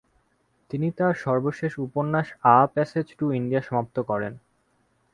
তিনি তার সর্বশেষ উপন্যাস আ প্যাসেজ টু ইন্ডিয়া সমাপ্ত করেন।